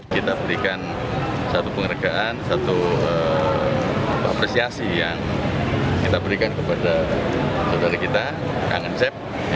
kita berikan satu penghargaan satu apresiasi yang kita berikan kepada saudara kita kangen